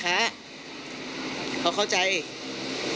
ถ้าเขาถูกจับคุณอย่าลืม